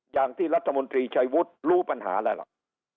อย่างที่รัฐมนตรีชัยวุฒิรู้ปัญหาอะไรหรอก